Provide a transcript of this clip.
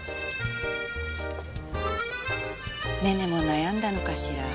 ねねも悩んだのかしら。